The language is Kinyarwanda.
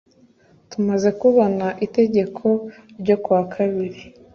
tumaze kubona itegeko n ryo kuwa kabiri